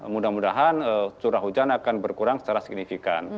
mudah mudahan curah hujan akan berkurang secara signifikan